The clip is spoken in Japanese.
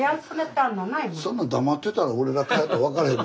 そんなん黙ってたら俺が帰ったら分からへん。